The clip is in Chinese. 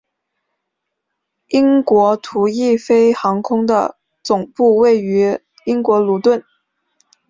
英国途易飞航空的总部位于英国卢顿。